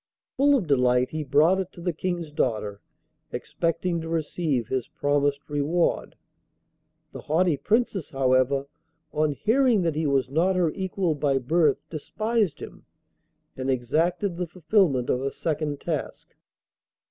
Full of delight he brought it to the King's daughter, expecting to receive his promised reward. The haughty Princess, however, on hearing that he was not her equal by birth despised him, and exacted the fulfilment of a second task.